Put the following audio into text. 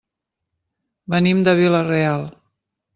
Venim de Vila-real.